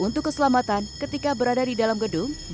untuk keselamatan ketika berada di dalam gedung